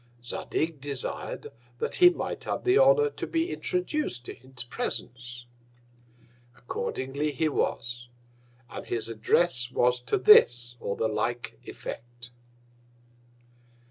Zadig desired that he might have the Honour to be introduc'd into his Presence. Accordingly he was, and his Address was to this or the like Effect.